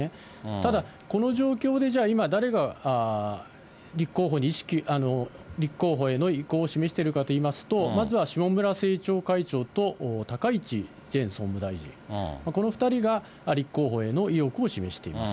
ただ、この状況で、じゃあ、今、誰が立候補への意向を示しているかといいますと、まずは下村政調会長と高市前総務大臣、この２人が立候補への意欲を示しています。